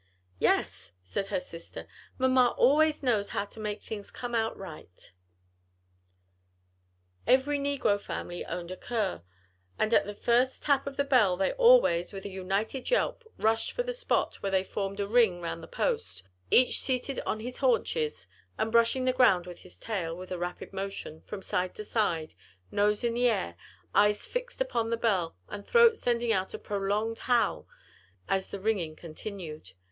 "Yes," said her sister, "mamma always knows how to make things come out right." Every negro family owned a cur, and at the first tap of the bell they always, with a united yelp, rushed for the spot, where they formed a ring round the post, each seated on his haunches and brushing the ground with his tail, with a rapid motion, from side to side, nose in the air, eyes fixed upon the bell, and throat sending out a prolonged howl so long as the ringing continued.